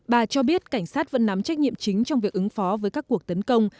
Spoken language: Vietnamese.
bà cho biết cảnh sát vẫn nắm trách nhiệm chính trong việc ứng phó với các cuộc tấn công